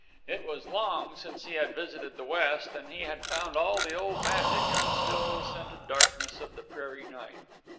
It was long since he had visited the West, and he had found all the old magic in the still, scented darkness of the prairie night.